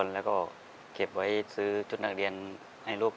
แล้วก็เก็บไว้ซื้อชุดนักเรียนให้ลูก